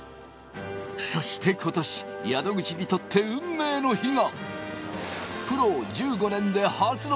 そして今年、宿口にとって運命の日が。